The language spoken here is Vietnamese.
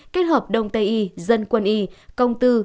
kết hợp đông tây y dân quân y công tư